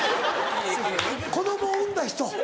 子供産んだ人。